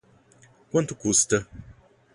Quanto custa?